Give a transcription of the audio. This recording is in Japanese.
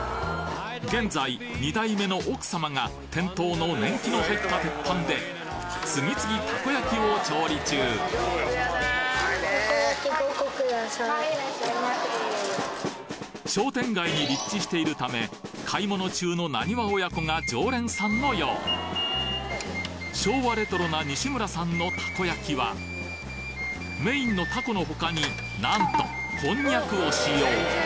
現在２代目の奥様が店頭の年季の入った鉄板で次々たこ焼きを調理中商店街に立地しているため買い物中のナニワ親子が常連さんのよう昭和レトロな西村さんのたこ焼きはメインのタコの他になんとこんにゃくを使用